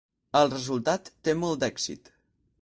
El resultat té molt d'èxit.